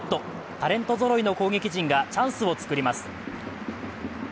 タレントぞろいの攻撃陣がチャンスを作ります。